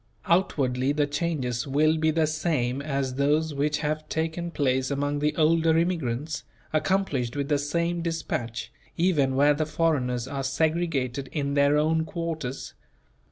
Outwardly the changes will be the same as those which have taken place among the older immigrants, accomplished with the same dispatch, even where the foreigners are segregated in their own quarters.